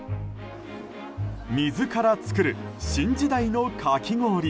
水から作る、新時代のかき氷。